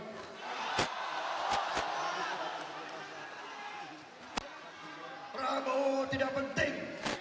kau harus bertanggung jawab